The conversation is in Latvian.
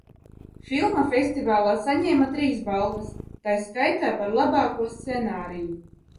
Filma festivālā saņēma trīs balvas, tai skaitā par labāko scenāriju.